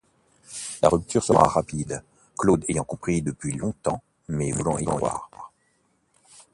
La rupture sera rapide, Claude ayant compris depuis longtemps mais voulant y croire.